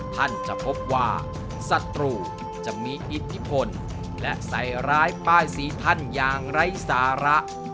ท่านจะพบว่าศัตรูจะมีอิทธิพลและใส่ร้ายป้ายสีท่านอย่างไร้สาระ